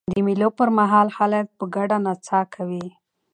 د مېلو پر مهال خلک په ګډه نڅا کوي.